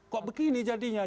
kok begini jadinya